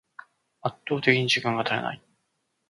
圧倒的に時間が足りない